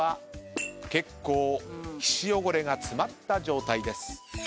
結構皮脂汚れが詰まった状態です。